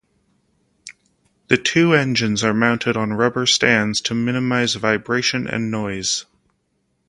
The two engines are mounted on rubber stands to minimize vibration and noise.